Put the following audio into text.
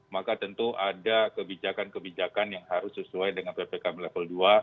maka tentu ada kebijakan kebijakan yang harus sesuai dengan ppkm level dua